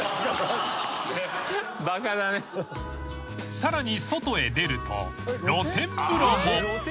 ［さらに外へ出ると露天風呂も］